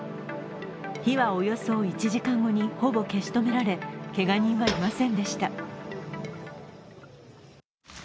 火はおよそ１時間後にほぼ消し止められ、けが人はいませんでした。